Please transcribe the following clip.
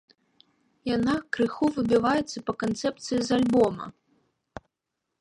Яна крыху выбіваецца па канцэпцыі з альбома.